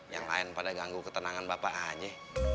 yang lain pada ganggu ketenangan bapak aja